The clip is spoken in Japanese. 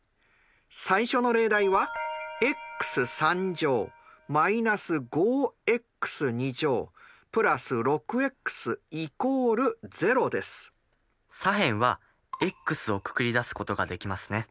最初の例題は左辺はｘをくくりだすことができますね。